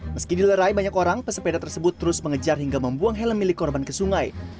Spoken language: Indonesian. meski dilerai banyak orang pesepeda tersebut terus mengejar hingga membuang helm milik korban ke sungai